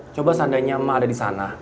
coba seandainya emak ada di sana